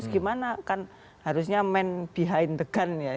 karena kan harusnya men behind the gun ya